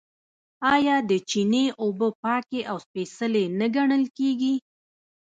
آیا د چینې اوبه پاکې او سپیڅلې نه ګڼل کیږي؟